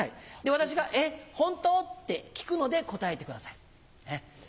私が「えっホント？」って聞くので答えてください。